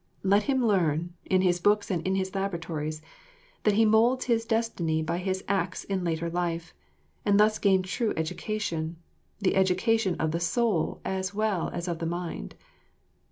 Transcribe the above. Let him learn, in his books and in his laboratories, that he moulds his destiny by his acts in later life, and thus gain true education, the education of the soul as well as of the mind.